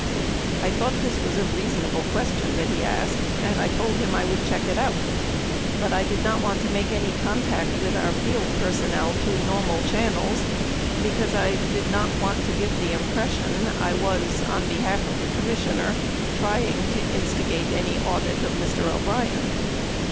I thought this was a reasonable question that he asked and I told him I would check it out, but I did not want to make any contact with our field personnel through normal channels because I did not want to give the impression I was, on behalf of the Commissioner, trying to instigate any audit of Mr. O'Brien.